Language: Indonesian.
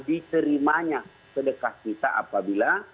diserimanya sedekah kita apabila